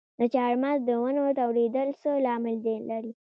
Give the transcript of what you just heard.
د چهارمغز د ونو توریدل څه لامل لري؟